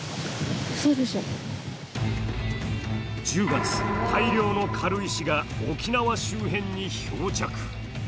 １０月大量の軽石が沖縄周辺に漂着。